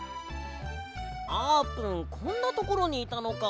あーぷんこんなところにいたのか！